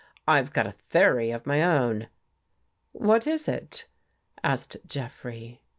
" I've got a theory of my own." " What is it? " asked Jeffrey.